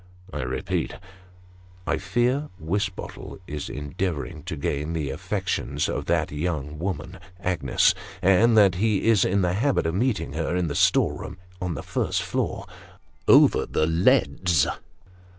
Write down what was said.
I repeat, I fear Wisbottle is endeavouring to gain the affections of that young woman, Agnes, and that he is in the habit of meeting her in the store room on the first floor, over the leads.